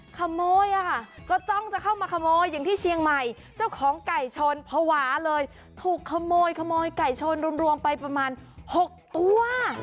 ขโมยอ่ะค่ะก็จ้องจะเข้ามาขโมยอย่างที่เชียงใหม่เจ้าของไก่ชนภาวะเลยถูกขโมยขโมยไก่ชนรวมไปประมาณ๖ตัว